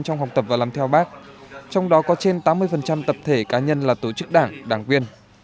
trong học tập và làm theo bác trong đó có trên tám mươi tập thể cá nhân là tổ chức đảng đảng viên